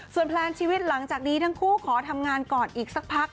แพลนชีวิตหลังจากนี้ทั้งคู่ขอทำงานก่อนอีกสักพัก